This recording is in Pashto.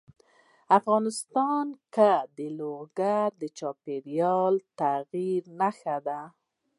افغانستان کې لوگر د چاپېریال د تغیر نښه ده.